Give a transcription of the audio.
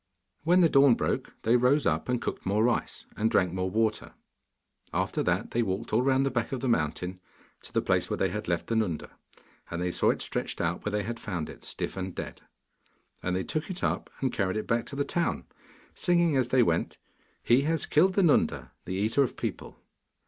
When the dawn broke they rose up and cooked more rice, and drank more water. After that they walked all round the back of the mountain to the place where they had left the Nunda, and they saw it stretched out where they had found it, stiff and dead. And they took it up and carried it back to the town, singing as they went, 'He has killed the Nunda, the eater of people.